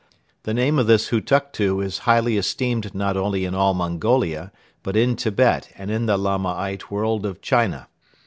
The name of this Hutuktu is highly esteemed not only in all Mongolia but in Tibet and in the Lamaite world of China.